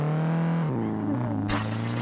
En Baviera-Landshut le sucedió su hijo, Enrique.